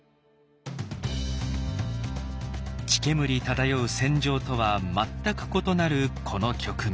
血煙漂う戦場とは全く異なるこの局面。